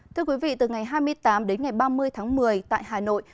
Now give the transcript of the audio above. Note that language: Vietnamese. thưa quý vị từ ngày hai mươi tám đến ngày ba mươi tháng một mươi tại hà nội